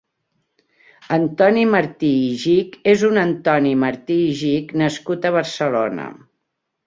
Antoni Martí i Gich és un antoni Martí i Gich, nascut a Barcelona.